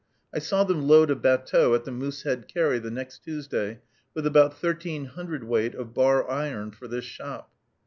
I saw them load a batteau at the Moosehead Carry, the next Tuesday, with about thirteen hundredweight of bar iron for this shop.